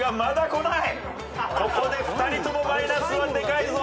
ここで２人ともマイナスはでかいぞ。